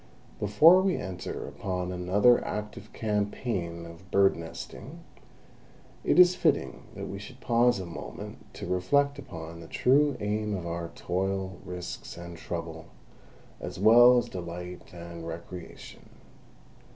Before we enter upon another active campaign of bird nesting, it is fitting that we should pause a moment to reflect upon the true aim of our toil, risks, and trouble, as well as delight and recreation.